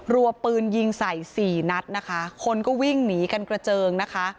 รัวปืนยิงใส่สี่นัดนะคะคนก็วิ่งหนีกันกระเจิงนะคะ